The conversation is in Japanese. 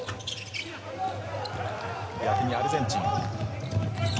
逆にアルゼンチン。